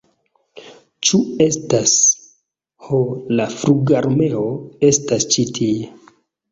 Ĉu estas... ho la flugarmeo estas ĉi tie!